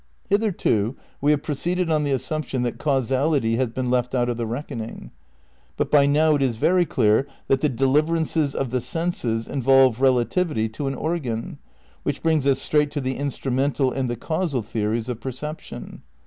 ^ Hitherto we have proceeded on the assumption that causality has been left out of the reckoning. But by now it is very clear that the deliverances of the senses involve relativity to an organ ; which brings us straight to the "instrumental" and the "causal" theories of perception.